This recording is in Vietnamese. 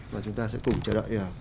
và chúng ta sẽ cùng chờ đợi